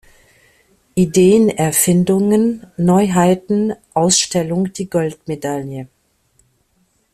Ideen-Erfindungen-Neuheiten-Ausstellung die Goldmedaille.